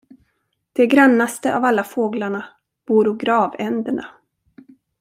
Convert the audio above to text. De grannaste av alla fåglarna voro grav-änderna.